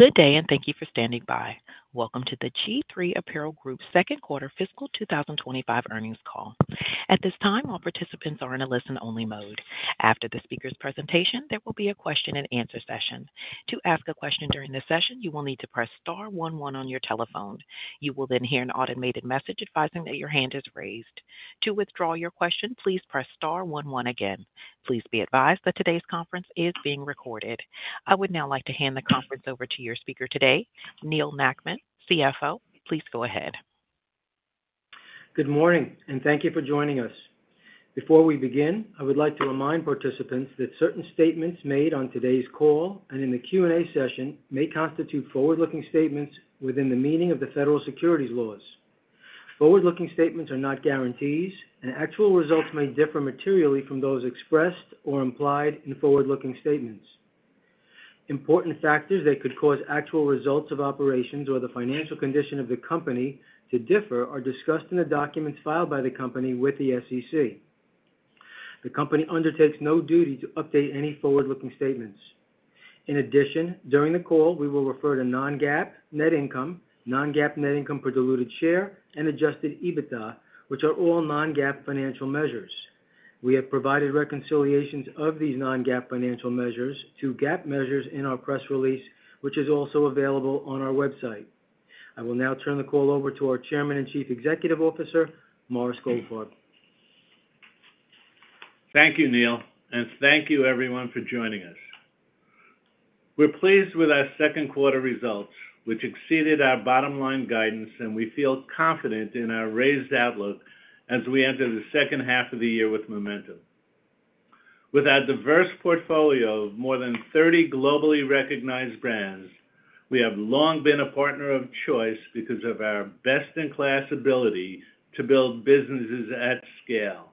Good day, and thank you for standing by. Welcome to the G-III 2025 earnings call. At this time, all participants are in a listen-only mode. After the speaker's presentation, there will be a question-and-answer session. To ask a question during this session, you will need to press star one one on your telephone. You will then hear an automated message advising that your hand is raised. To withdraw your question, please press star one one again. Please be advised that today's conference is being recorded. I would now like to hand the conference over to your speaker today, Neal Nackman, CFO. Please go ahead. Good morning, and thank you for joining us. Before we begin, I would like to remind participants that certain statements made on today's call and in the Q&A session may constitute forward-looking statements within the meaning of the federal securities laws. Forward-looking statements are not guarantees, and actual results may differ materially from those expressed or implied in forward-looking statements. Important factors that could cause actual results of operations or the financial condition of the company to differ are discussed in the documents filed by the company with the SEC. The company undertakes no duty to update any forward-looking statements. In addition, during the call, we will refer to non-GAAP, net income, non-GAAP net income per diluted share, and adjusted EBITDA, which are all non-GAAP financial measures. We have provided reconciliations of these non-GAAP financial measures to GAAP measures in our press release, which is also available on our website. I will now turn the call over to our Chairman and Chief Executive Officer, Morris Goldfarb. Thank you, Neal, and thank you everyone for joining us. We're pleased with our second quarter results, which exceeded our bottom-line guidance, and we feel confident in our raised outlook as we enter the second half of the year with momentum. With our diverse portfolio of more than 30 globally recognized brands, we have long been a partner of choice because of our best-in-class ability to build businesses at scale.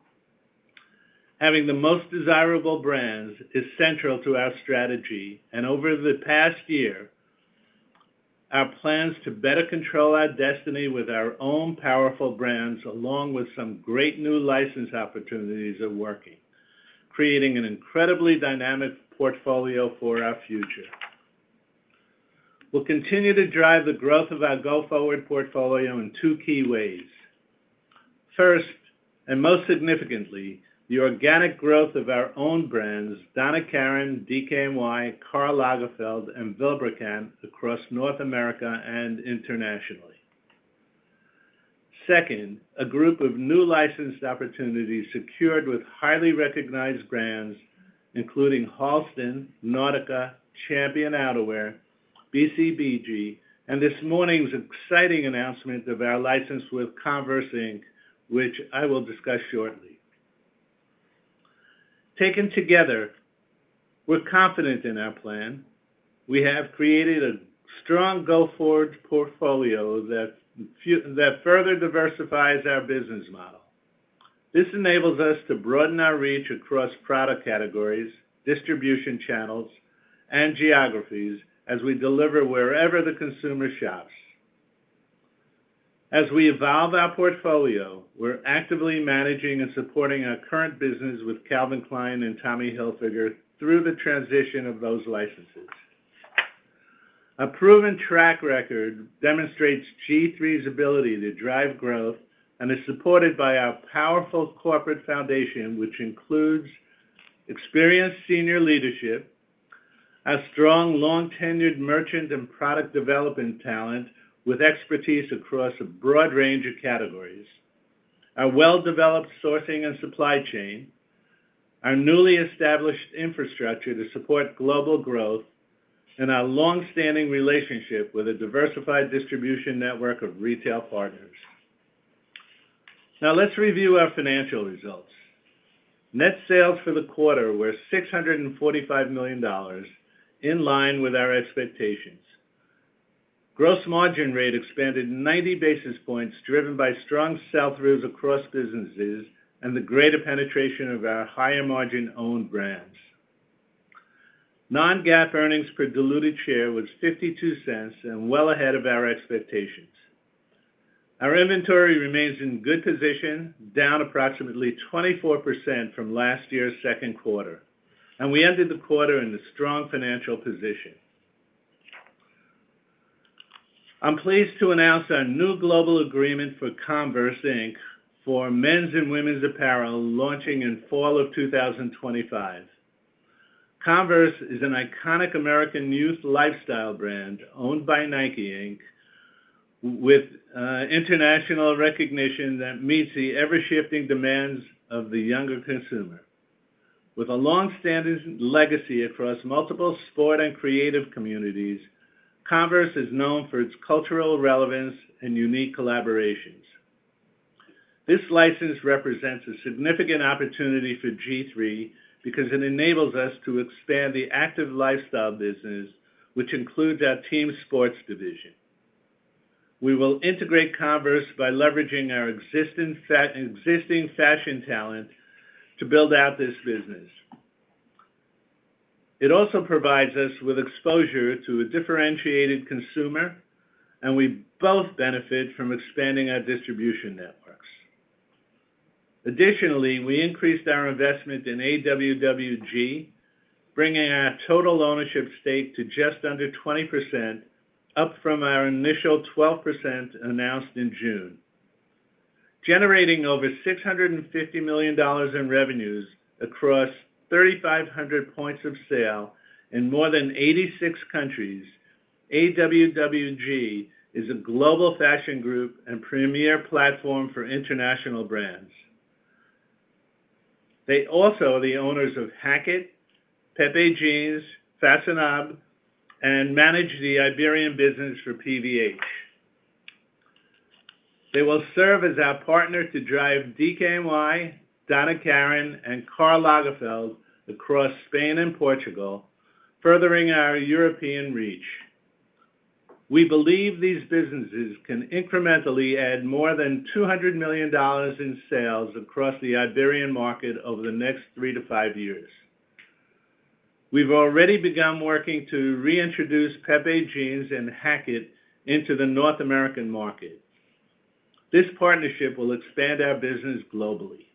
Having the most desirable brands is central to our strategy, and over the past year, our plans to better control our destiny with our own powerful brands, along with some great new license opportunities, are working, creating an incredibly dynamic portfolio for our future. We'll continue to drive the growth of our go-forward portfolio in two key ways. First, and most significantly, the organic growth of our own brands, Donna Karan, DKNY, Karl Lagerfeld, and Vilebrequin across North America and internationally. Second, a group of new licensed opportunities secured with highly recognized brands, including Halston, Nautica, Champion Outerwear, BCBG, and this morning's exciting announcement of our license with Converse Inc which I will discuss shortly. Taken together, we're confident in our plan. We have created a strong go-forward portfolio that further diversifies our business model. This enables us to broaden our reach across product categories, distribution channels, and geographies as we deliver wherever the consumer shops. As we evolve our portfolio, we're actively managing and supporting our current business with Calvin Klein and Tommy Hilfiger through the transition of those licenses. A proven track record demonstrates G-III's ability to drive growth and is supported by our powerful corporate foundation, which includes experienced senior leadership, our strong, long-tenured merchant and product development talent with expertise across a broad range of categories, our well-developed sourcing and supply chain, our newly established infrastructure to support global growth, and our long-standing relationship with a diversified distribution network of retail partners. Now, let's review our financial results. Net sales for the quarter were $645 million, in line with our expectations. Gross margin rate expanded 90 basis points, driven by strong sell-throughs across businesses and the greater penetration of our higher-margin owned brands. Non-GAAP earnings per diluted share was $0.52 and well ahead of our expectations. Our inventory remains in good position, down approximately 24% from last year's second quarter, and we ended the quarter in a strong financial position. I'm pleased to announce our new global agreement for Converse Inc for men's and women's apparel, launching in fall of 2025. Converse is an iconic American youth lifestyle brand owned by Nike Inc With international recognition that meets the ever-shifting demands of the younger consumer. With a long-standing legacy across multiple sport and creative communities, Converse is known for its cultural relevance and unique collaborations. This license represents a significant opportunity for G-III because it enables us to expand the active lifestyle business, which includes our team sports division. We will integrate Converse by leveraging our existing fashion talent to build out this business. It also provides us with exposure to a differentiated consumer, and we both benefit from expanding our distribution network. Additionally, we increased our investment in AWWG, bringing our total ownership stake to just under 20%, up from our initial 12% announced in June. Generating over $650 million in revenues across 3,500 points of sale in more than 86 countries, AWWG is a global fashion group and premier platform for international brands. They also are the owners of Hackett, Pepe Jeans, Façonnable, and manage the Iberian business for PVH. They will serve as our partner to drive DKNY, Donna Karan, and Karl Lagerfeld across Spain and Portugal, furthering our European reach. We believe these businesses can incrementally add more than $200 million in sales across the Iberian market over the next three to five years. We've already begun working to reintroduce Pepe Jeans and Hackett into the North American market. This partnership will expand our business globally.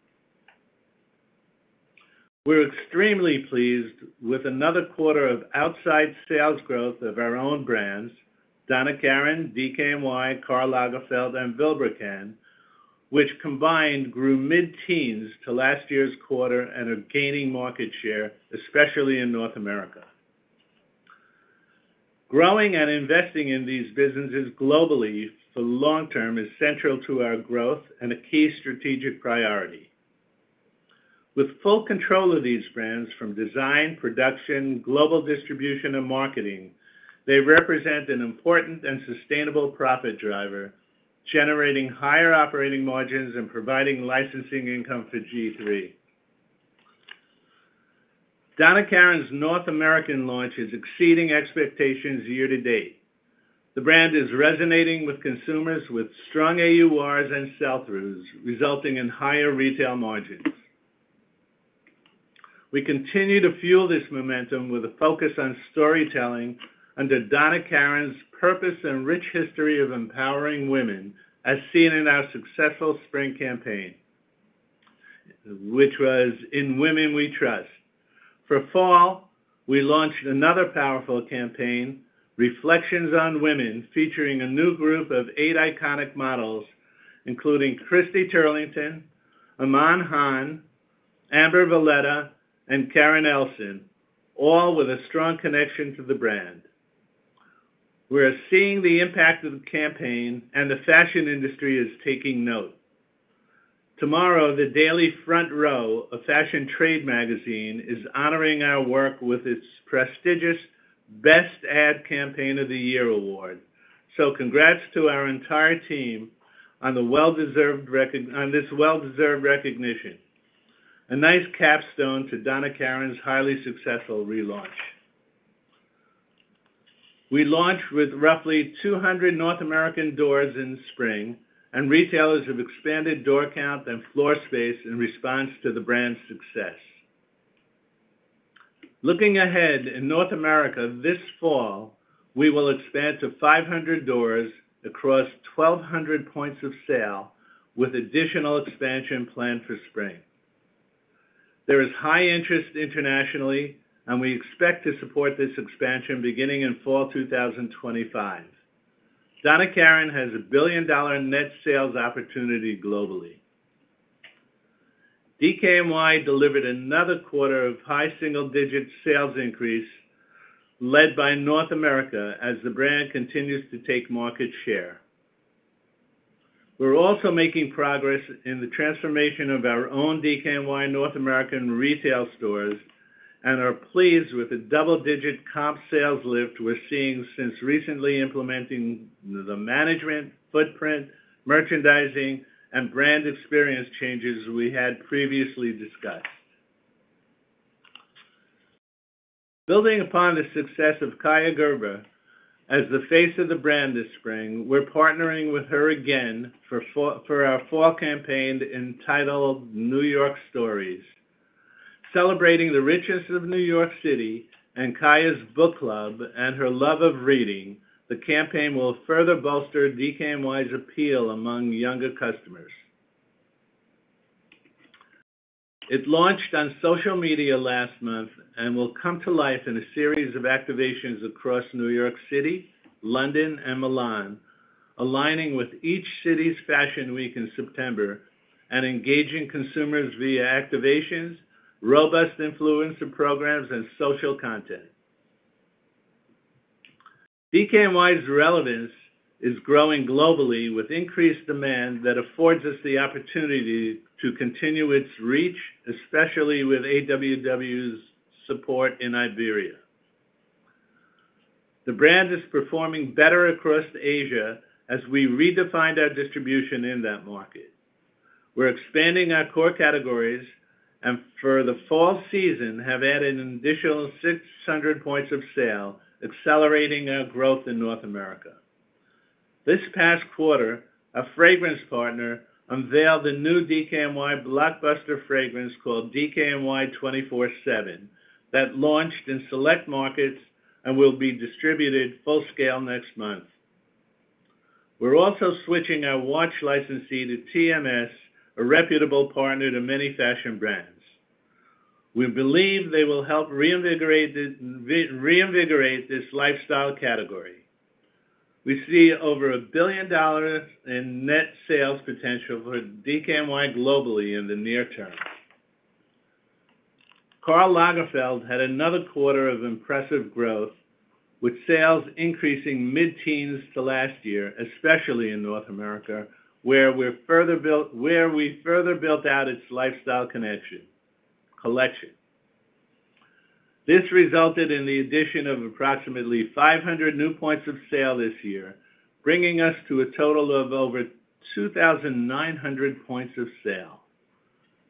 We're extremely pleased with another quarter of outside sales growth of our own brands, Donna Karan, DKNY, Karl Lagerfeld, and Vilebrequin, which combined grew mid-teens to last year's quarter and are gaining market share, especially in North America. Growing and investing in these businesses globally for long term is central to our growth and a key strategic priority. With full control of these brands from design, production, global distribution, and marketing, they represent an important and sustainable profit driver, generating higher operating margins and providing licensing income for G-III. Donna Karan's North American launch is exceeding expectations year to date. The brand is resonating with consumers with strong AURs and sell-throughs, resulting in higher retail margins. We continue to fuel this momentum with a focus on storytelling under Donna Karan's purpose and rich history of empowering women, as seen in our successful spring campaign, which was "In Women We Trust." For fall, we launched another powerful campaign, "Reflections on Women," featuring a new group of eight iconic models, including Christy Turlington, Imaan Hammam, Amber Valletta, and Karen Elson, all with a strong connection to the brand. We are seeing the impact of the campaign, and the fashion industry is taking note. Tomorrow, the Daily Front Row, a fashion trade magazine, is honoring our work with its prestigious Best Ad Campaign of the Year award. So congrats to our entire team on this well-deserved recognition. A nice capstone to Donna Karan's highly successful relaunch. We launched with roughly 200 North American doors in spring, and retailers have expanded door count and floor space in response to the brand's success. Looking ahead in North America this fall, we will expand to 500 doors across 1,200 points of sale, with additional expansion planned for spring. There is high interest internationally, and we expect to support this expansion beginning in fall 2025. Donna Karan has a billion-dollar net sales opportunity globally. DKNY delivered another quarter of high single-digit sales increase led by North America as the brand continues to take market share. We're also making progress in the transformation of our own DKNY North American retail stores and are pleased with the double-digit comp sales lift we're seeing since recently implementing the management, footprint, merchandising, and brand experience changes we had previously discussed. Building upon the success of Kaia Gerber as the face of the brand this spring, we're partnering with her again for our fall campaign, entitled New York Stories. Celebrating the riches of New York City and Kaia's book club and her love of reading, the campaign will further bolster DKNY's appeal among younger customers. It launched on social media last month and will come to life in a series of activations across New York City, London, and Milan, aligning with each city's Fashion Week in September and engaging consumers via activations, robust influencer programs, and social content. DKNY's relevance is growing globally with increased demand that affords us the opportunity to continue its reach, especially with AWW's support in Iberia. The brand is performing better across Asia as we redefined our distribution in that market. We're expanding our core categories and for the fall season, have added an additional 600 points of sale, accelerating our growth in North America. This past quarter, our fragrance partner unveiled a new DKNY blockbuster fragrance called DKNY 24/7 that launched in select markets and will be distributed full scale next month. We're also switching our watch licensee to Timex, a reputable partner to many fashion brands. We believe they will help reinvigorate this lifestyle category. We see over $1 billion in net sales potential for DKNY globally in the near term. Karl Lagerfeld had another quarter of impressive growth, with sales increasing mid-teens to last year, especially in North America, where we further built out its lifestyle connection, collection. This resulted in the addition of approximately 500 new points of sale this year, bringing us to a total of over 2,900 points of sale.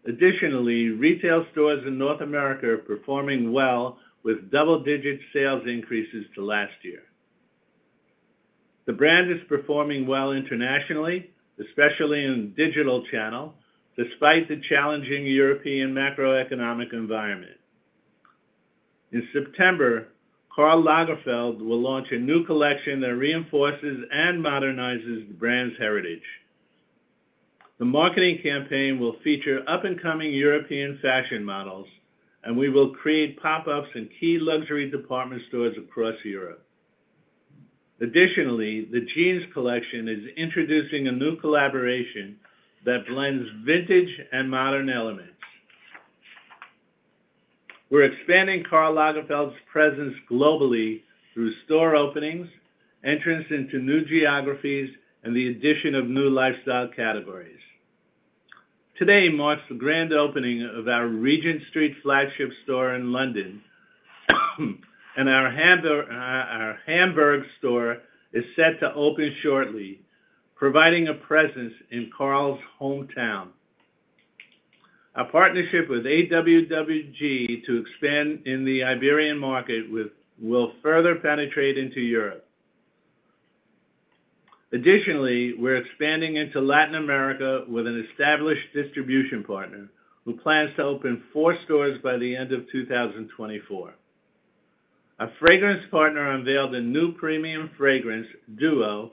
Additionally, retail stores in North America are performing well, with double-digit sales increases to last year. The brand is performing well internationally, especially in the digital channel, despite the challenging European macroeconomic environment. In September, Karl Lagerfeld will launch a new collection that reinforces and modernizes the brand's heritage. The marketing campaign will feature up-and-coming European fashion models, and we will create pop-ups in key luxury department stores across Europe. Additionally, the jeans collection is introducing a new collaboration that blends vintage and modern elements. We're expanding Karl Lagerfeld's presence globally through store openings, entrance into new geographies, and the addition of new lifestyle categories. Today marks the grand opening of our Regent Street flagship store in London, and our Hamburg store is set to open shortly, providing a presence in Karl's hometown. A partnership with AWWG to expand in the Iberian market will further penetrate into Europe. Additionally, we're expanding into Latin America with an established distribution partner, who plans to open four stores by the end of 2024. Our fragrance partner unveiled a new premium fragrance, duo,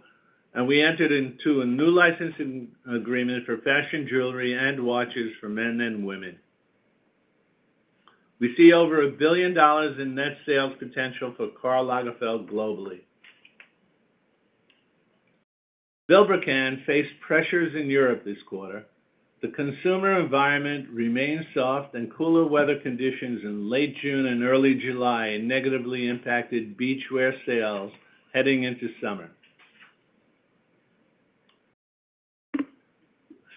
and we entered into a new licensing agreement for fashion jewelry and watches for men and women. We see over $1 billion in net sales potential for Karl Lagerfeld globally. Vilebrequin faced pressures in Europe this quarter. The consumer environment remained soft, and cooler weather conditions in late June and early July negatively impacted beachwear sales heading into summer.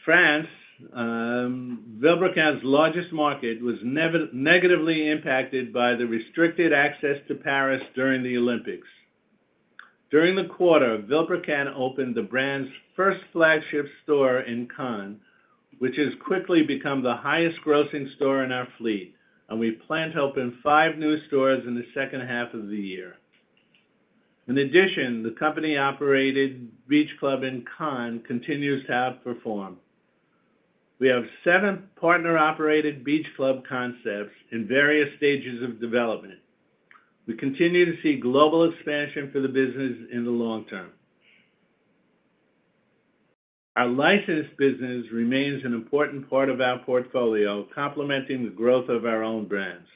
France, Vilebrequin's largest market, was negatively impacted by the restricted access to Paris during the Olympics. During the quarter, Vilebrequin opened the brand's first flagship store in Cannes, which has quickly become the highest grossing store in our fleet, and we plan to open five new stores in the second half of the year. In addition, the company-operated beach club in Cannes continues to outperform. We have seven partner-operated beach club concepts in various stages of development. We continue to see global expansion for the business in the long term. Our licensed business remains an important part of our portfolio, complementing the growth of our own brands.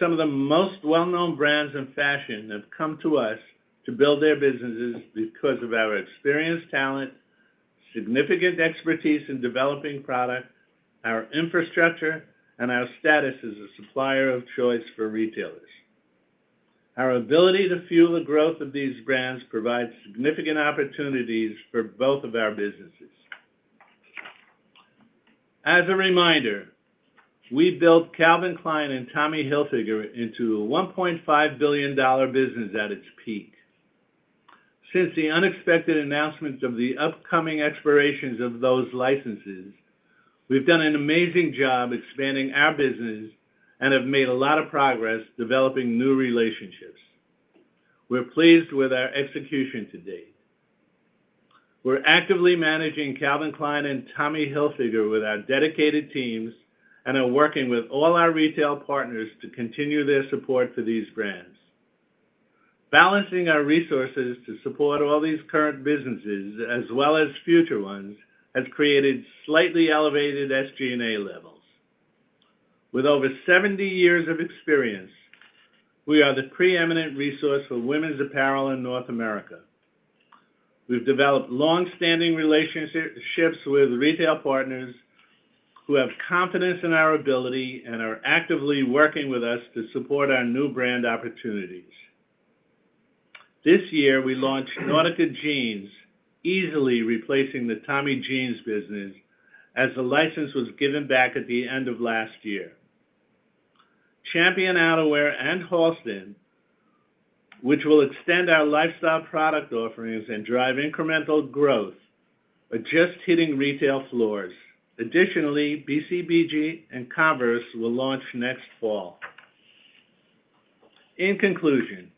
Some of the most well-known brands in fashion have come to us to build their businesses because of our experienced talent, significant expertise in developing product, our infrastructure, and our status as a supplier of choice for retailers. Our ability to fuel the growth of these brands provides significant opportunities for both of our businesses. As a reminder, we built Calvin Klein and Tommy Hilfiger into a $1.5 billion business at its peak. Since the unexpected announcement of the upcoming expirations of those licenses, we've done an amazing job expanding our business and have made a lot of progress developing new relationships. We're pleased with our execution to date. We're actively managing Calvin Klein and Tommy Hilfiger with our dedicated teams and are working with all our retail partners to continue their support for these brands. Balancing our resources to support all these current businesses, as well as future ones, has created slightly elevated SG&A levels. With over 70 years of experience, we are the preeminent resource for women's apparel in North America. We've developed longstanding relationships with retail partners, who have confidence in our ability and are actively working with us to support our new brand opportunities. This year, we launched Nautica Jeans, easily replacing the Tommy Jeans business, as the license was given back at the end of last year. Champion Outerwear and Halston, which will extend our lifestyle product offerings and drive incremental growth, are just hitting retail floors. Additionally, BCBG and Converse will launch next fall. In conclusion,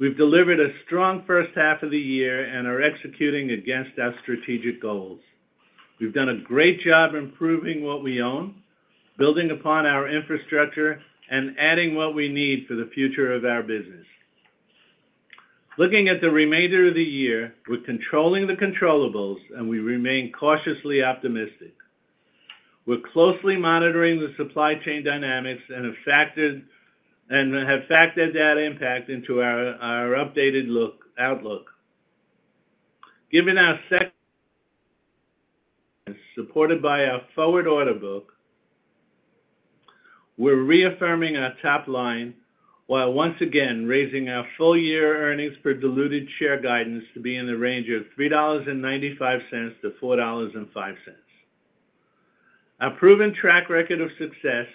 we've delivered a strong first half of the year and are executing against our strategic goals. We've done a great job improving what we own, building upon our infrastructure, and adding what we need for the future of our business. Looking at the remainder of the year, we're controlling the controllables, and we remain cautiously optimistic. We're closely monitoring the supply chain dynamics and have factored that impact into our updated outlook. Given our second, supported by our forward order book, we're reaffirming our top line, while once again, raising our full-year earnings per diluted share guidance to be in the range of $3.95-$4.05. Our proven track record of success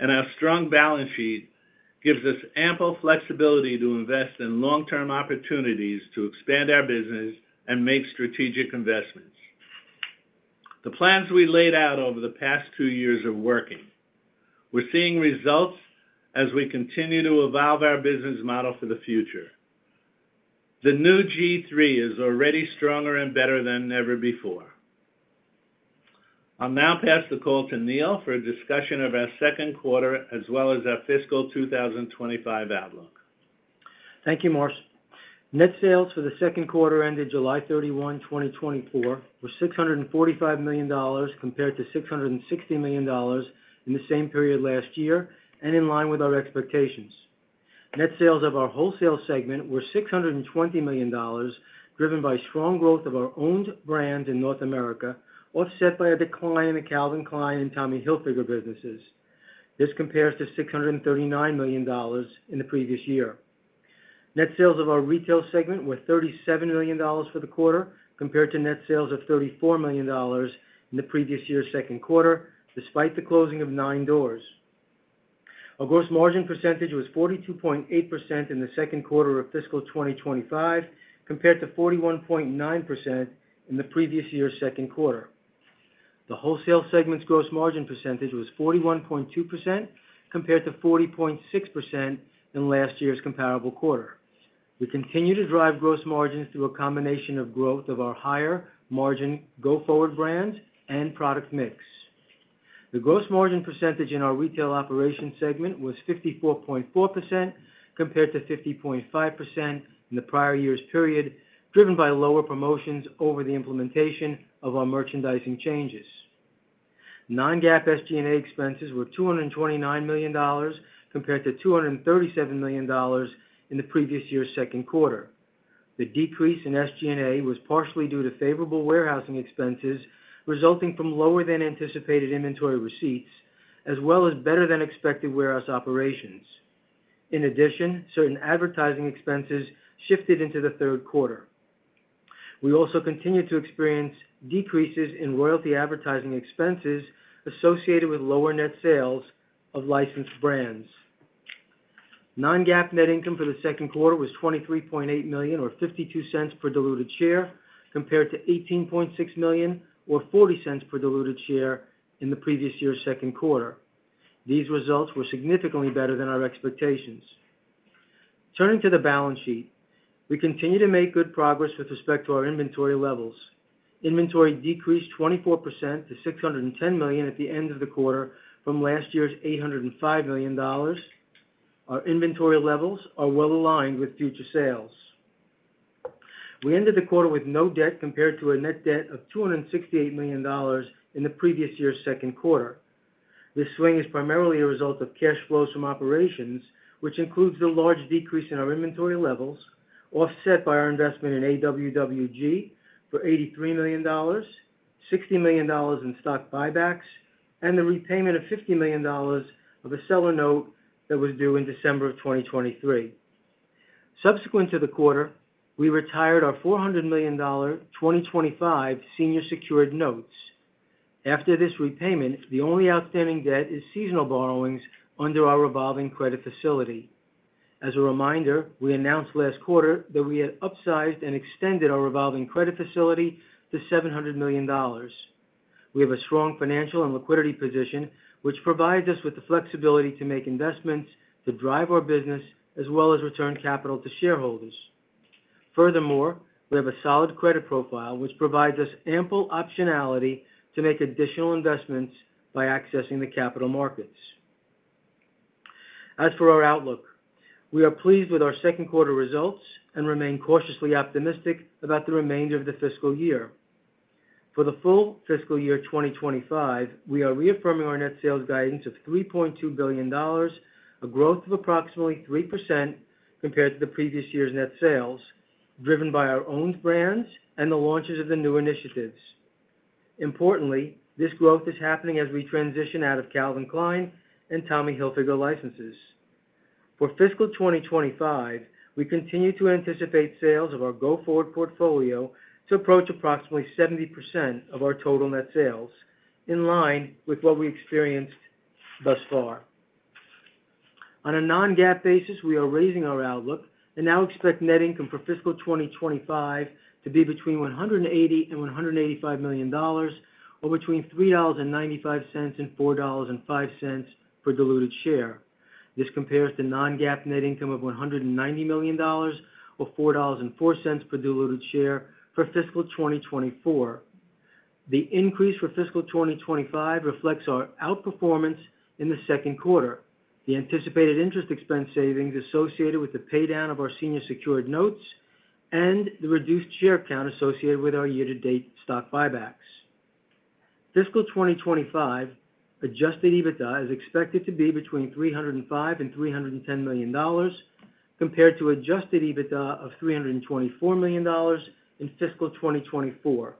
and our strong balance sheet gives us ample flexibility to invest in long-term opportunities to expand our business and make strategic investments. The plans we laid out over the past two years are working. We're seeing results as we continue to evolve our business model for the future. The new G-III is already stronger and better than ever before. I'll now pass the call to Neal for a discussion of our second quarter, as well as our fiscal 2025 outlook. Thank you, Morris. Net sales for the second quarter ended July 31, 2024, were $645 million, compared to $660 million in the same period last year, and in line with our expectations. Net sales of our wholesale segment were $620 million, driven by strong growth of our owned brands in North America, offset by a decline in Calvin Klein and Tommy Hilfiger businesses. This compares to $639 million in the previous year. Net sales of our retail segment were $37 million for the quarter, compared to net sales of $34 million in the previous year's second quarter, despite the closing of nine doors. Our gross margin percentage was 42.8% in the second quarter of fiscal 2025, compared to 41.9% in the previous year's second quarter. The wholesale segment's gross margin percentage was 41.2%, compared to 40.6% in last year's comparable quarter. We continue to drive gross margins through a combination of growth of our higher margin go-forward brands and product mix. The gross margin percentage in our retail operations segment was 54.4%, compared to 50.5% in the prior year's period, driven by lower promotions over the implementation of our merchandising changes. Non-GAAP SG&A expenses were $229 million, compared to $237 million in the previous year's second quarter. The decrease in SG&A was partially due to favorable warehousing expenses, resulting from lower than anticipated inventory receipts, as well as better than expected warehouse operations. In addition, certain advertising expenses shifted into the third quarter. We also continued to experience decreases in royalty advertising expenses associated with lower net sales of licensed brands. Non-GAAP net income for the second quarter was $23.8 million, or $0.52 per diluted share, compared to $18.6 million, or $0.40 per diluted share in the previous year's second quarter. These results were significantly better than our expectations. Turning to the balance sheet, we continue to make good progress with respect to our inventory levels. Inventory decreased 24% to $610 million at the end of the quarter from last year's $805 million. Our inventory levels are well aligned with future sales. We ended the quarter with no debt, compared to a net debt of $268 million in the previous year's second quarter. This swing is primarily a result of cash flows from operations, which includes the large decrease in our inventory levels, offset by our investment in AWWG for $83 million, $60 million in stock buybacks, and the repayment of $50 million of a seller note that was due in December of 2023. Subsequent to the quarter, we retired our $400 million 2025 senior secured notes. After this repayment, the only outstanding debt is seasonal borrowings under our revolving credit facility. As a reminder, we announced last quarter that we had upsized and extended our revolving credit facility to $700 million. We have a strong financial and liquidity position, which provides us with the flexibility to make investments to drive our business, as well as return capital to shareholders. Furthermore, we have a solid credit profile, which provides us ample optionality to make additional investments by accessing the capital markets. As for our outlook, we are pleased with our second quarter results and remain cautiously optimistic about the remainder of the fiscal year. For the full fiscal year 2025, we are reaffirming our net sales guidance of $3.2 billion, a growth of approximately 3% compared to the previous year's net sales, driven by our own brands and the launches of the new initiatives. Importantly, this growth is happening as we transition out of Calvin Klein and Tommy Hilfiger licenses. For fiscal 2025, we continue to anticipate sales of our go-forward portfolio to approach approximately 70% of our total net sales, in line with what we experienced thus far. On a non-GAAP basis, we are raising our outlook and now expect net income for fiscal 2025 to be between $180 million and $185 million, or between $3.95 and $4.05 per diluted share. This compares to non-GAAP net income of $190 million, or $4.04 per diluted share for fiscal 2024. The increase for fiscal 2025 reflects our outperformance in the second quarter, the anticipated interest expense savings associated with the paydown of our senior secured notes, and the reduced share count associated with our year-to-date stock buybacks. Fiscal 2025 adjusted EBITDA is expected to be between $305 million and $310 million, compared to adjusted EBITDA of $324 million in fiscal 2024.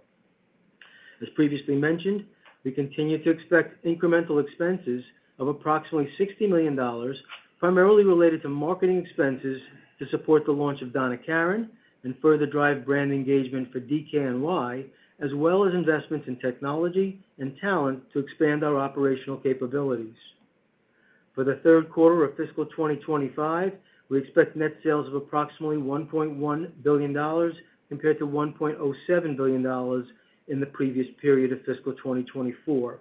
As previously mentioned, we continue to expect incremental expenses of approximately $60 million, primarily related to marketing expenses to support the launch of Donna Karan and further drive brand engagement for DKNY, as well as investments in technology and talent to expand our operational capabilities. For the third quarter of fiscal 2025, we expect net sales of approximately $1.1 billion, compared to $1.07 billion in the previous period of fiscal 2024.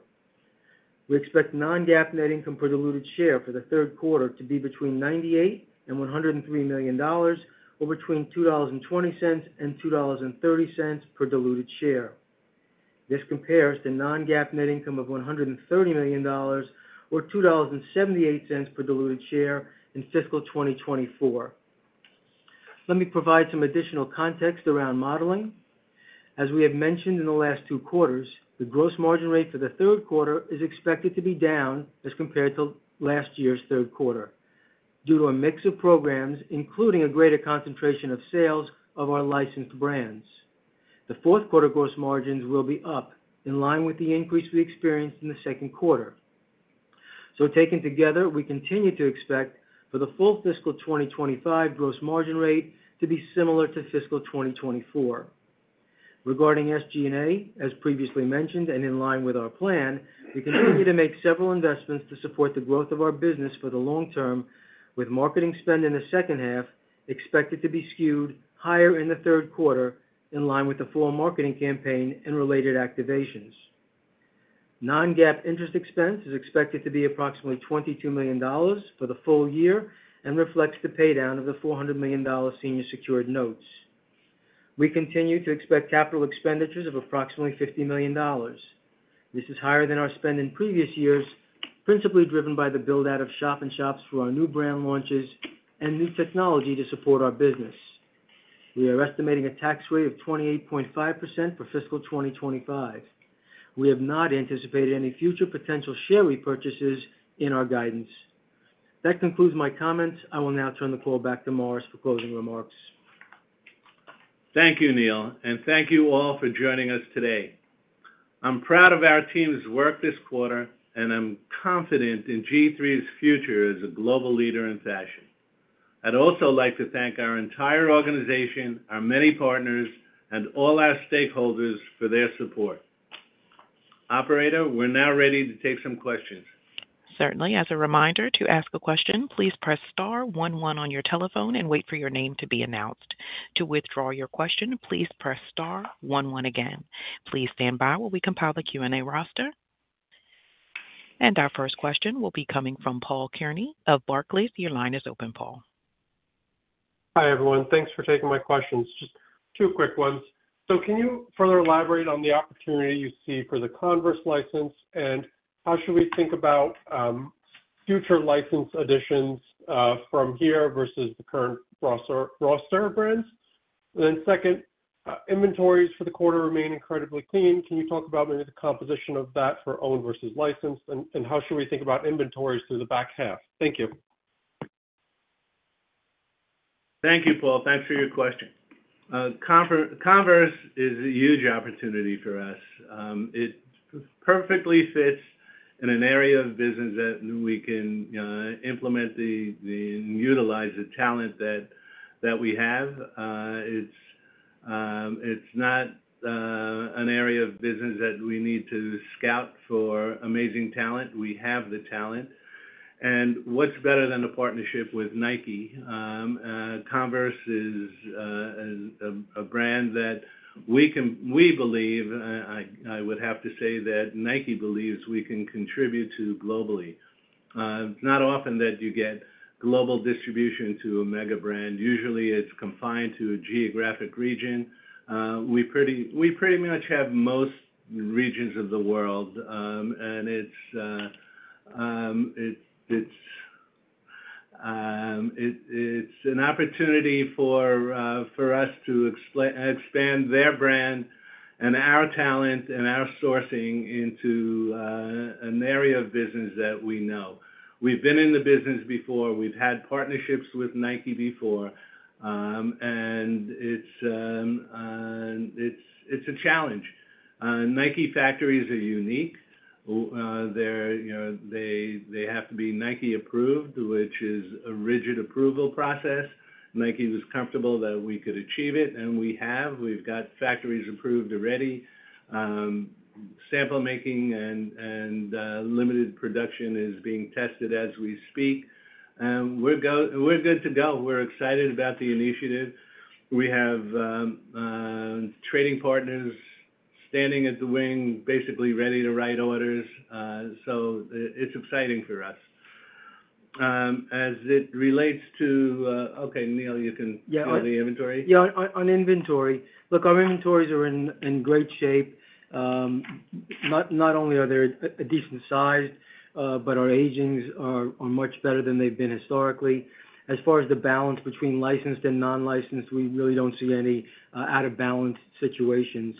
We expect non-GAAP net income per diluted share for the third quarter to be between $98 million and $103 million, or between $2.20 and $2.30 per diluted share. This compares to non-GAAP net income of $130 million or $2.78 per diluted share in fiscal 2024. Let me provide some additional context around modeling. As we have mentioned in the last two quarters, the gross margin rate for the third quarter is expected to be down as compared to last year's third quarter, due to a mix of programs, including a greater concentration of sales of our licensed brands. The fourth quarter gross margins will be up, in line with the increase we experienced in the second quarter. So taken together, we continue to expect for the full fiscal 2025 gross margin rate to be similar to fiscal 2024. Regarding SG&A, as previously mentioned, and in line with our plan, we continue to make several investments to support the growth of our business for the long term, with marketing spend in the second half expected to be skewed higher in the third quarter, in line with the full marketing campaign and related activations. Non-GAAP interest expense is expected to be approximately $22 million for the full year and reflects the paydown of the $400 million senior secured notes. We continue to expect capital expenditures of approximately $50 million. This is higher than our spend in previous years, principally driven by the build-out of shop-in-shops for our new brand launches and new technology to support our business. We are estimating a tax rate of 28.5% for fiscal 2025. We have not anticipated any future potential share repurchases in our guidance. That concludes my comments. I will now turn the call back to Morris for closing remarks. Thank you, Neil, and thank you all for joining us today. I'm proud of our team's work this quarter, and I'm confident in G-III's future as a global leader in fashion. I'd also like to thank our entire organization, our many partners, and all our stakeholders for their support. Operator, we're now ready to take some questions. Certainly. As a reminder, to ask a question, please press star one one on your telephone and wait for your name to be announced. To withdraw your question, please press star one one again. Please stand by while we compile the Q&A roster. And our first question will be coming from Paul Kearney of Barclays. Your line is open, Paul. Hi, everyone. Thanks for taking my questions. Just two quick ones. So can you further elaborate on the opportunity you see for the Converse license, and how should we think about future license additions from here versus the current roster of brands? Then second, inventories for the quarter remain incredibly clean. Can you talk about maybe the composition of that for owned versus licensed, and how should we think about inventories through the back half? Thank you. Thank you, Paul. Thanks for your question. Converse is a huge opportunity for us. It perfectly fits in an area of business that we can utilize the talent that we have. It's not an area of business that we need to scout for amazing talent. We have the talent. And what's better than a partnership with Nike? Converse is a brand that we believe, I would have to say that Nike believes we can contribute to globally. It's not often that you get global distribution to a mega brand. Usually, it's confined to a geographic region. We pretty much have most regions of the world. And it's an opportunity for us to expand their brand and our talent and our sourcing into an area of business that we know. We've been in the business before. We've had partnerships with Nike before. And it's a challenge. Nike factories are unique. They're, you know, they have to be Nike approved, which is a rigid approval process. Nike was comfortable that we could achieve it, and we have. We've got factories approved already. Sample making and limited production is being tested as we speak. We're good to go. We're excited about the initiative. We have trading partners standing in the wings, basically ready to write orders. So it's exciting for us. As it relates to, okay, Neal, you can- Yeah. The inventory. Yeah, on inventory. Look, our inventories are in great shape. Not only are they a decent size, but our agings are much better than they've been historically. As far as the balance between licensed and non-licensed, we really don't see any out of balance situations.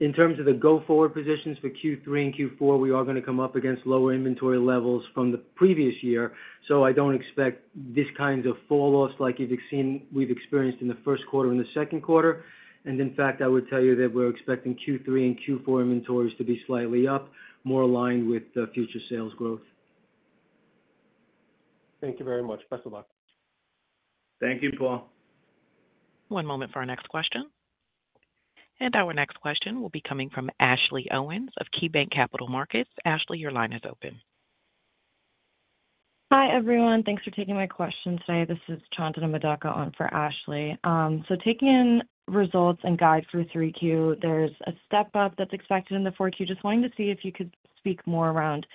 In terms of the go-forward positions for Q3 and Q4, we are gonna come up against lower inventory levels from the previous year, so I don't expect these kinds of falloffs like you've seen, we've experienced in the first quarter and the second quarter. And in fact, I would tell you that we're expecting Q3 and Q4 inventories to be slightly up, more aligned with the future sales growth. Thank you very much. Best of luck. Thank you, Paul. One moment for our next question. And our next question will be coming from Ashley Owens of KeyBanc Capital Markets. Ashley, your line is open. Hi, everyone. Thanks for taking my question today. This is Chandana Madaka on for Ashley. So taking in results and guide through 3Q, there's a step up that's expected in the 4Q. Just wanting to see if you could speak more around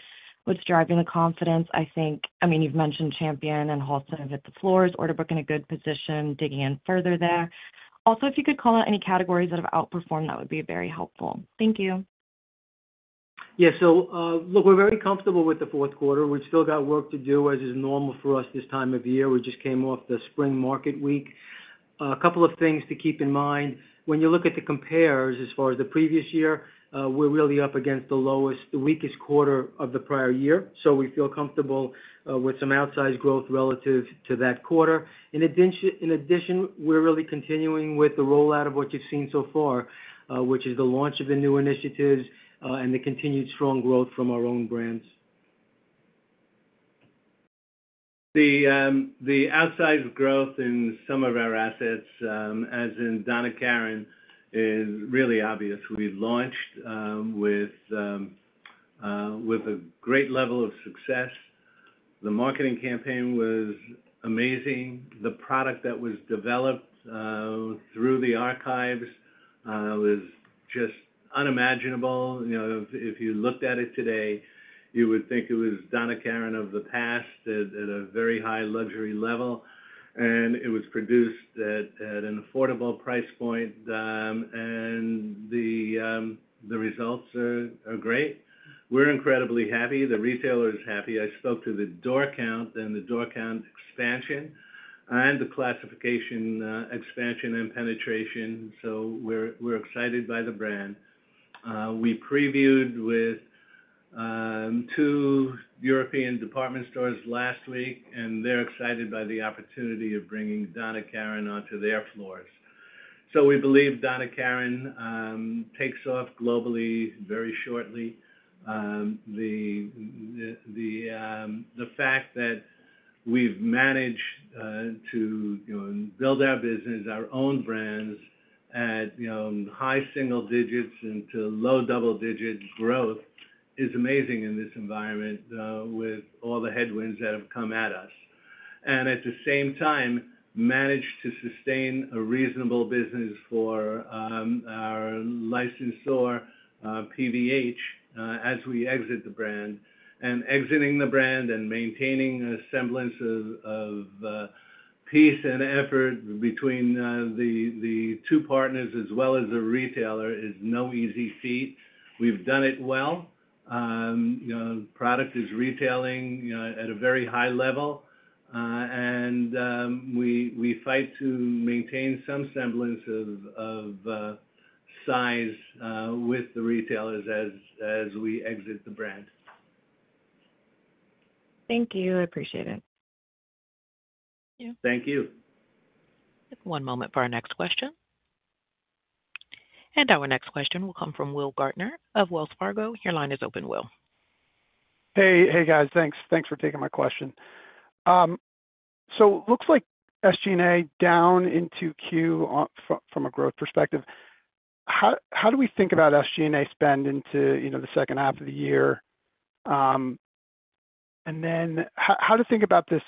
what's driving the confidence. I think, I mean, you've mentioned Champion and wholesale hit the floors, order book in a good position, digging in further there. Also, if you could call out any categories that have outperformed, that would be very helpful. Thank you. Yeah, so look, we're very comfortable with the fourth quarter. We've still got work to do, as is normal for us this time of year. We just came off the spring market week. A couple of things to keep in mind. When you look at the compares as far as the previous year, we're really up against the lowest, the weakest quarter of the prior year, so we feel comfortable with some outsized growth relative to that quarter. In addition, we're really continuing with the rollout of what you've seen so far, which is the launch of the new initiatives and the continued strong growth from our own brands. The outsized growth in some of our assets, as in Donna Karan, is really obvious. We've launched with a great level of success. The marketing campaign was amazing. The product that was developed through the archives was just unimaginable. You know, if you looked at it today, you would think it was Donna Karan of the past at a very high luxury level, and it was produced at an affordable price point. And the results are great. We're incredibly happy. The retailer is happy. I spoke to the door count and the door count expansion and the classification expansion and penetration, so we're excited by the brand. We previewed with two European department stores last week, and they're excited by the opportunity of bringing Donna Karan onto their floors. So we believe Donna Karan takes off globally very shortly. The fact that we've managed to, you know, build our business, our own brands, at, you know, high single digits into low double-digit growth is amazing in this environment with all the headwinds that have come at us. And at the same time, managed to sustain a reasonable business for our licensor PVH as we exit the brand. And exiting the brand and maintaining a semblance of peace and effort between the two partners as well as the retailer is no easy feat. We've done it well. You know, product is retailing at a very high level and we fight to maintain some semblance of size with the retailers as we exit the brand. Thank you. I appreciate it. Thank you. One moment for our next question. And our next question will come from Will Gaertner of Wells Fargo. Your line is open, Will. Hey, hey, guys, thanks. Thanks for taking my question. So looks like SG&A down in 2Q on from a growth perspective. How do we think about SG&A spend into, you know, the second half of the year? And then how to think about this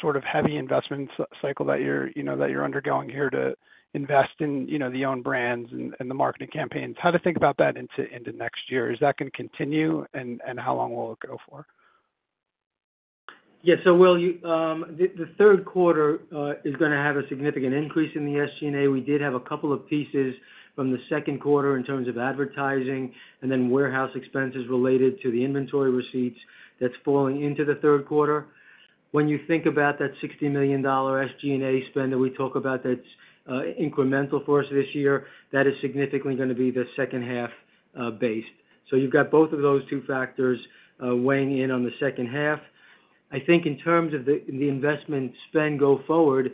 sort of heavy investment cycle that you're, you know, undergoing here to invest in, you know, the own brands and the marketing campaigns? How to think about that into next year? Is that going to continue, and how long will it go for? Yeah. So Will, the third quarter is gonna have a significant increase in the SG&A. We did have a couple of pieces from the second quarter in terms of advertising and then warehouse expenses related to the inventory receipts that's falling into the third quarter. When you think about that $60 million SG&A spend that we talk about, that's incremental for us this year, that is significantly gonna be the second half base. So you've got both of those two factors weighing in on the second half. I think in terms of the investment spend go forward,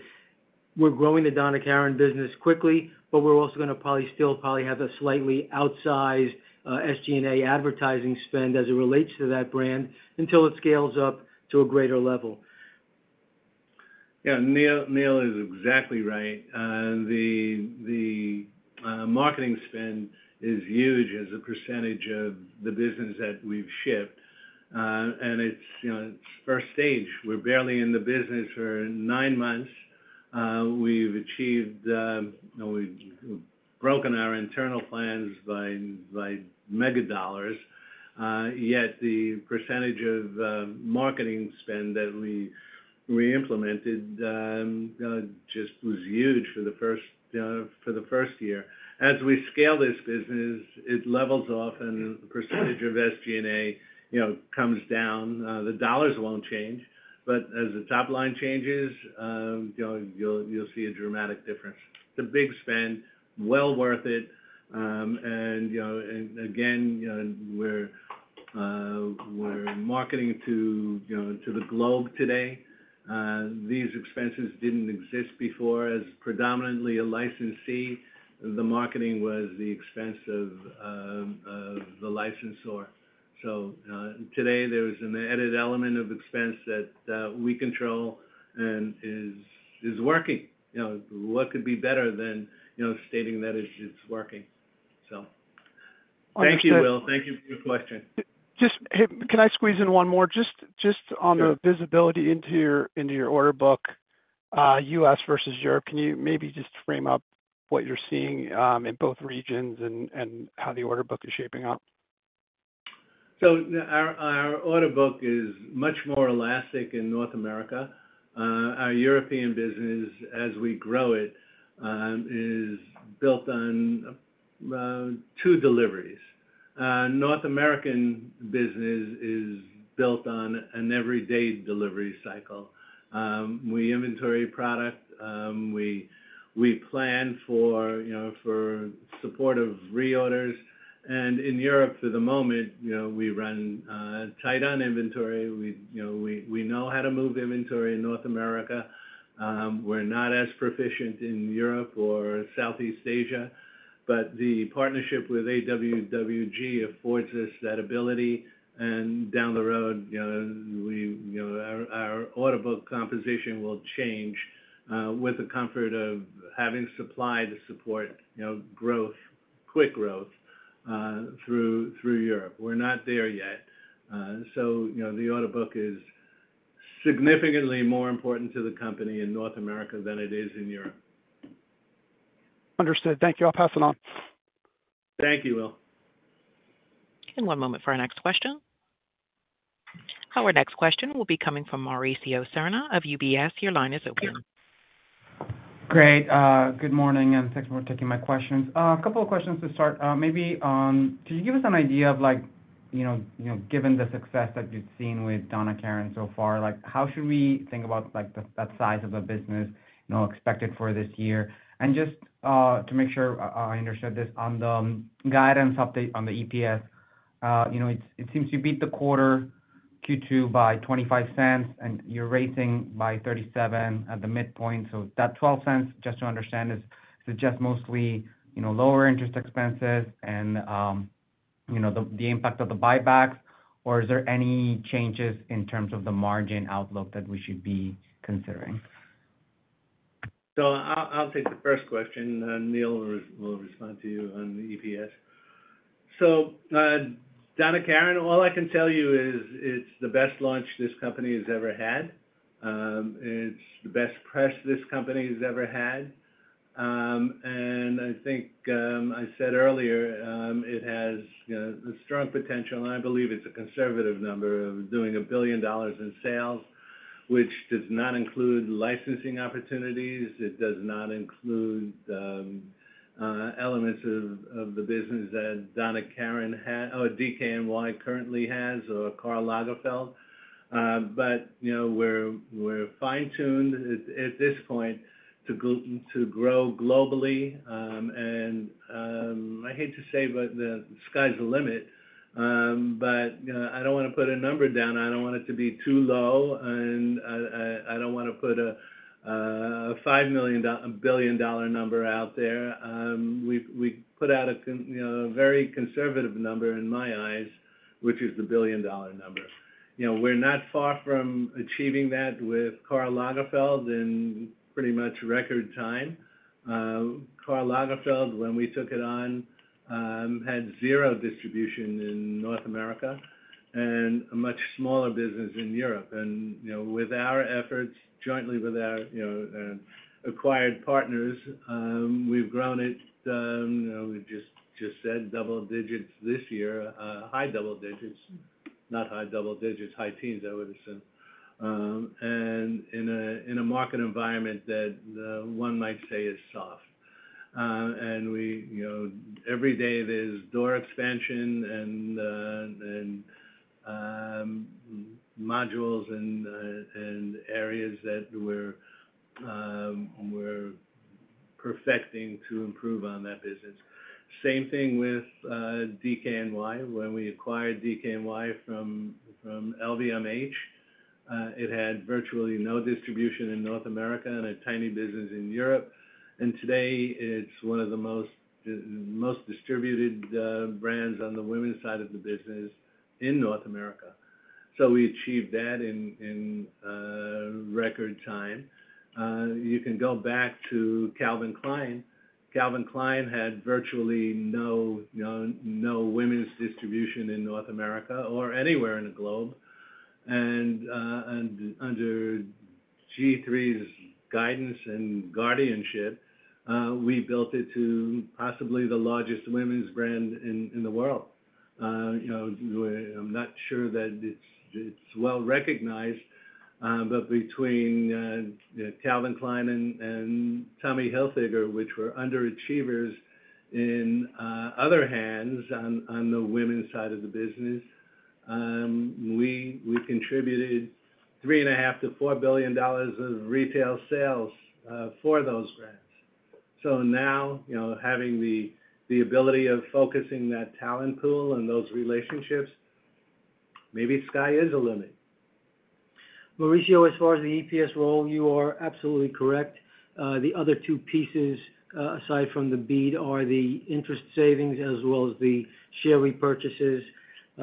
we're growing the Donna Karan business quickly, but we're also gonna probably still have a slightly outsized SG&A advertising spend as it relates to that brand, until it scales up to a greater level. Yeah, Neal, Neal is exactly right. The marketing spend is huge as a percentage of the business that we've shipped. And it's, you know, it's first stage. We're barely in the business for nine months. We've achieved, you know, we've broken our internal plans by mega dollars, yet the percentage of marketing spend that we implemented just was huge for the first year. As we scale this business, it levels off, and the percentage of SG&A, you know, comes down. The dollars won't change, but as the top line changes, you know, you'll see a dramatic difference. It's a big spend, well worth it. And, you know, and again, you know, we're marketing to, you know, to the globe today. These expenses didn't exist before. As predominantly a licensee, the marketing was the expense of the licensor. So, today there is an added element of expense that we control and is working. You know, what could be better than, you know, stating that it's working? So thank you, Will. Thank you for your question. Hey, can I squeeze in one more? Just on. Sure. The visibility into your order book, U.S. versus Europe, can you maybe just frame up what you're seeing in both regions and how the order book is shaping up? So our order book is much more elastic in North America. Our European business, as we grow it, is built on two deliveries. North American business is built on an everyday delivery cycle. We inventory product, we plan for, you know, for support of reorders. And in Europe, for the moment, you know, we run tight on inventory. We, you know, we know how to move inventory in North America. We're not as proficient in Europe or Southeast Asia, but the partnership with AWWG affords us that ability. And down the road, you know, our order book composition will change, with the comfort of having supply to support, you know, growth, quick growth, through Europe. We're not there yet. You know, the order book is significantly more important to the company in North America than it is in Europe. Understood. Thank you. I'll pass it on. Thank you, Will. One moment for our next question. Our next question will be coming from Mauricio Serna of UBS. Your line is open. Great. Good morning, and thanks for taking my questions. A couple of questions to start. Maybe can you give us an idea of, like, you know, given the success that you've seen with Donna Karan so far, like, how should we think about, like, the size of a business, you know, expected for this year? And just to make sure I understood this, on the guidance update on the EPS, you know, it seems to beat the quarter Q2 by $0.25, and you're raising by $0.37 at the midpoint. So that $0.12, just to understand, is just mostly, you know, lower interest expenses and, you know, the impact of the buybacks, or is there any changes in terms of the margin outlook that we should be considering? So I'll take the first question, and Neal will respond to you on the EPS. So, Donna Karan, all I can tell you is it's the best launch this company has ever had. It's the best press this company has ever had. And I think, I said earlier, it has, you know, the strong potential, and I believe it's a conservative number, of doing $1 billion in sales, which does not include licensing opportunities. It does not include, elements of the business that Donna Karan has, or DKNY currently has or Karl Lagerfeld. But, you know, we're fine-tuned at this point to go to grow globally. And, I hate to say, but the sky's the limit. But, you know, I don't wanna put a number down. I don't want it to be too low, and I don't wanna put a 5 million, a billion dollar number out there. We've put out you know, a very conservative number in my eyes, which is the billion dollar number. You know, we're not far from achieving that with Karl Lagerfeld in pretty much record time. Karl Lagerfeld, when we took it on, had zero distribution in North America and a much smaller business in Europe. And you know, with our efforts, jointly with our you know, acquired partners, we've grown it you know, we've just said double digits this year, high double digits. Not high double digits, high teens, I would have said, and in a market environment that one might say is soft. And we... You know, every day there's door expansion and modules and areas that we're perfecting to improve on that business. Same thing with DKNY. When we acquired DKNY from LVMH, it had virtually no distribution in North America and a tiny business in Europe. And today, it's one of the most distributed brands on the women's side of the business in North America. So we achieved that in record time. You can go back to Calvin Klein. Calvin Klein had virtually no, you know, no women's distribution in North America or anywhere in the globe. And under G3's guidance and guardianship, we built it to possibly the largest women's brand in the world. You know, I'm not sure that it's well recognized, but between you know, Calvin Klein and Tommy Hilfiger, which were underachievers in other hands on the women's side of the business, we contributed $3.5 billion-$4 billion of retail sales for those brands. So now, you know, having the ability of focusing that talent pool and those relationships, maybe sky is the limit. Mauricio, as far as the EPS role, you are absolutely correct. The other two pieces aside from the debt are the interest savings as well as the share repurchases.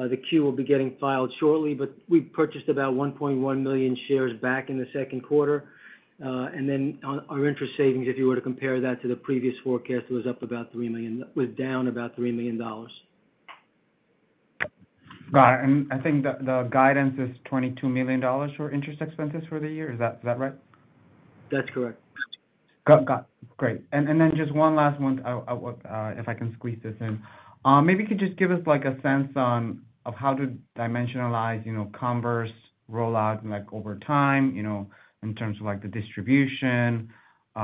The Q will be getting filed shortly, but we purchased about 1.1 million shares back in the second quarter. And then on our interest savings, if you were to compare that to the previous forecast, it was up about $3 million, was down about $3 million dollars. Right. And I think the guidance is $22 million for interest expenses for the year. Is that right? That's correct. Got it. Great. And then just one last one, if I can squeeze this in. Maybe you could just give us, like, a sense of how to dimensionalize, you know, Converse rollout, like, over time, you know, in terms of, like, the distribution, you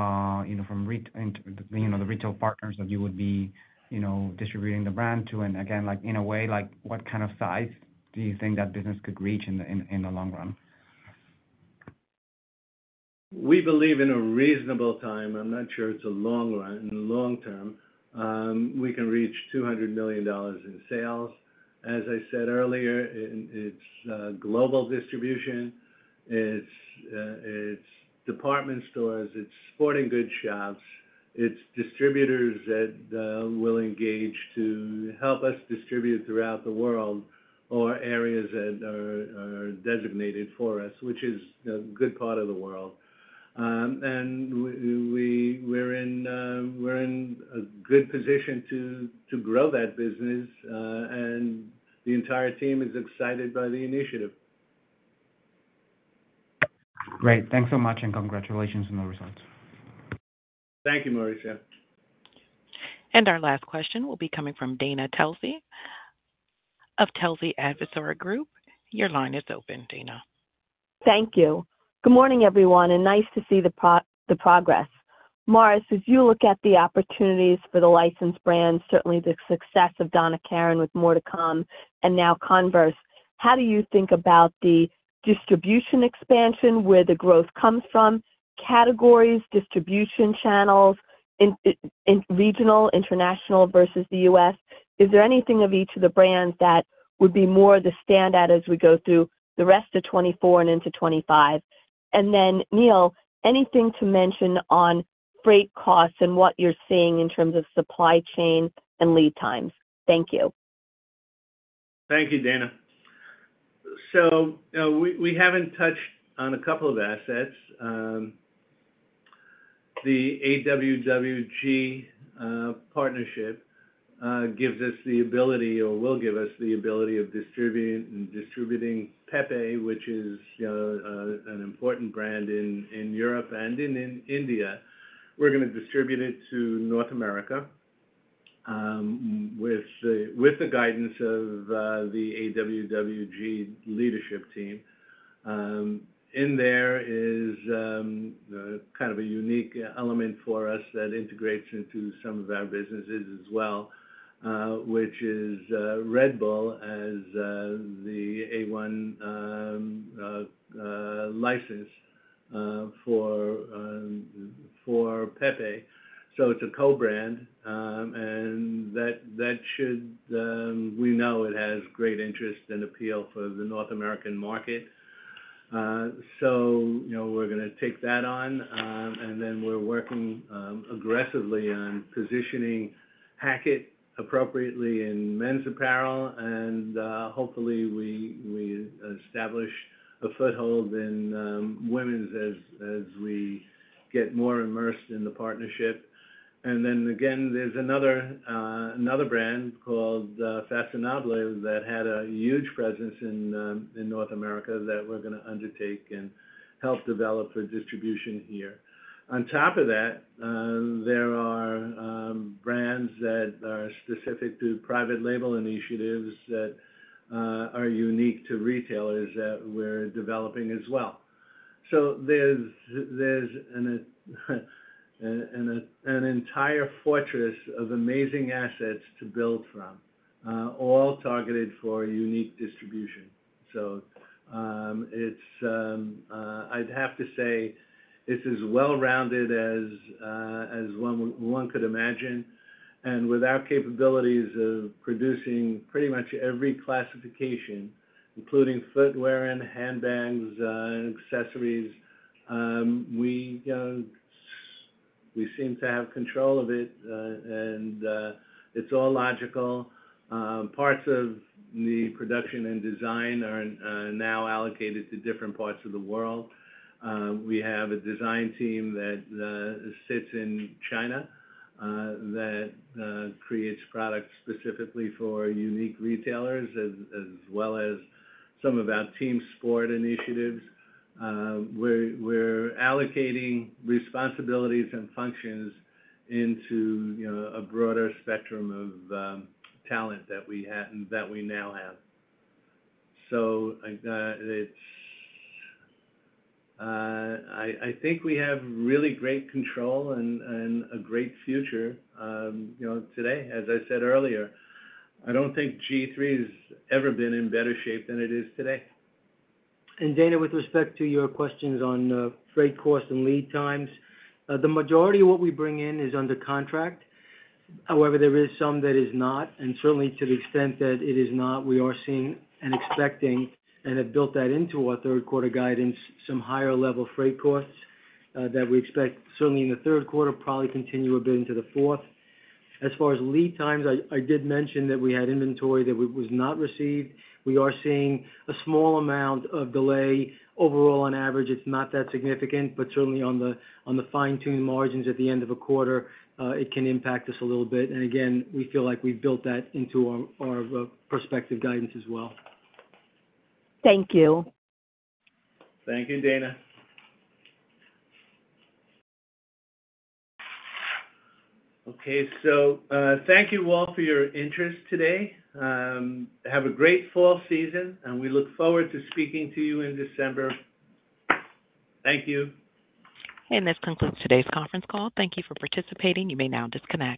know, from and, you know, the retail partners that you would be, you know, distributing the brand to. And again, like, in a way, like, what kind of size do you think that business could reach in the long run? We believe in a reasonable time, I'm not sure it's a long run, in the long term, we can reach $200 million in sales. As I said earlier, it's global distribution. It's department stores, it's sporting goods shops, it's distributors that will engage to help us distribute throughout the world or areas that are designated for us, which is a good part of the world. And we're in a good position to grow that business, and the entire team is excited by the initiative. Great. Thanks so much, and congratulations on the results. Thank you, Mauricio. And our last question will be coming from Dana Telsey of Telsey Advisory Group. Your line is open, Dana. Thank you. Good morning, everyone, and nice to see the progress. Morris, as you look at the opportunities for the licensed brands, certainly the success of Donna Karan with more to come and now Converse, how do you think about the distribution expansion, where the growth comes from, categories, distribution channels, in regional, international versus the U.S.? Is there anything of each of the brands that would be more the standout as we go through the rest of 2024 and into 2025? And then, Neal, anything to mention on freight costs and what you're seeing in terms of supply chain and lead times? Thank you. Thank you, Dana. So, we haven't touched on a couple of assets. The AWWG partnership gives us the ability or will give us the ability of distributing Pepe, which is an important brand in Europe and in India. We're gonna distribute it to North America, with the guidance of the AWWG leadership team. And there is kind of a unique element for us that integrates into some of our businesses as well, which is Red Bull Racing F1 license for Pepe. So it's a co-brand, and that should. We know it has great interest and appeal for the North American market. So, you know, we're gonna take that on, and then we're working aggressively on positioning Hackett appropriately in men's apparel, and hopefully, we establish a foothold in women's as we get more immersed in the partnership. And then again, there's another brand called Façonnable that had a huge presence in North America that we're gonna undertake and help develop for distribution here. On top of that, there are brands that are specific to private label initiatives that are unique to retailers that we're developing as well. So there's an entire fortress of amazing assets to build from, all targeted for unique distribution. So it's as well-rounded as one could imagine. And with our capabilities of producing pretty much every classification, including footwear and handbags, and accessories, we seem to have control of it. It's all logical. Parts of the production and design are now allocated to different parts of the world. We have a design team that sits in China that creates products specifically for unique retailers, as well as some of our team sport initiatives. We're allocating responsibilities and functions into a broader spectrum of talent that we now have. So, I think we have really great control and a great future, you know, today. As I said earlier, I don't think G3 has ever been in better shape than it is today. Dana, with respect to your questions on freight costs and lead times, the majority of what we bring in is under contract. However, there is some that is not, and certainly to the extent that it is not, we are seeing and expecting, and have built that into our third quarter guidance, some higher level freight costs that we expect certainly in the third quarter, probably continue a bit into the fourth. As far as lead times, I did mention that we had inventory that was not received. We are seeing a small amount of delay. Overall, on average, it's not that significant, but certainly on the fine-tune margins at the end of a quarter, it can impact us a little bit. Again, we feel like we've built that into our prospective guidance as well. Thank you. Thank you, Dana. Okay, so, thank you all for your interest today. Have a great fall season, and we look forward to speaking to you in December. Thank you. This concludes today's conference call. Thank you for participating. You may now disconnect.